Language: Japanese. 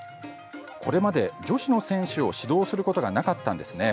これまで女子の選手を指導することがなかったんですね。